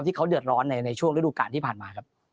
ที่เขาเดือดร้อนในช่วงฤดูการที่ผ่านมาครับ